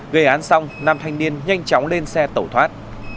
gây án xong nam thanh niên nhanh chóng lên xe tẩu thoát